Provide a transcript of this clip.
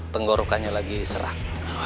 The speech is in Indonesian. tenggorokannya lagi serak